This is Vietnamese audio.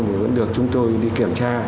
cũng được chúng tôi đi kiểm tra